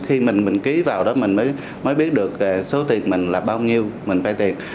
khi mình ký vào đó mình mới biết được số tiền mình là bao nhiêu mình vay tiền